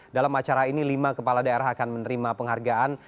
dalam acara ini lima kepala daerah akan menerima penghargaan